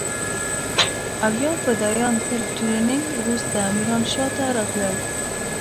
او يا فدايان تر ټرېننگ وروسته ميرانشاه ته راتلل.